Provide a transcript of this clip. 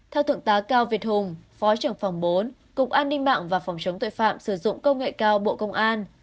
theo thượng tá cao việt hùng phó trưởng phòng bốn cục an ninh mạng và phòng chống tội phạm sử dụng công nghệ cao bộ công an